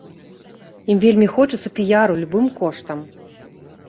Ім вельмі хочацца піяру любым коштам.